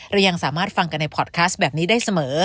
เรายังสามารถฟังกันในพอร์ตคัสแบบนี้ได้เสมอ